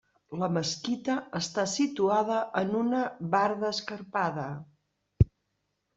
La mesquita està situada en una barda escarpada.